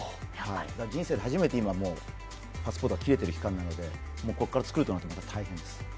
人生で初めて今、パスポートが切れている期間なのでここから作るとなったら、また大変です。